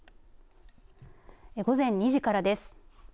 午前２時からです。